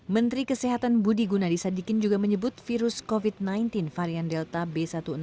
menteri kesehatan budi gunadisadikin juga menyebut virus covid sembilan belas varian delta b satu enam